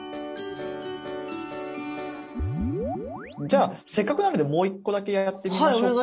じゃあせっかくなのでもう一個だけやってみましょうか。